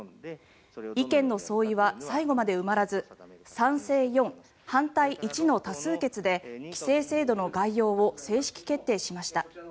意見の相違は最後まで埋まらず賛成４、反対１の多数決で規制制度の概要を正式決定しました。